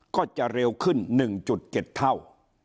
ก็จะเร็วขึ้น๑๗เท่า